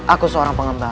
aku seorang pengembara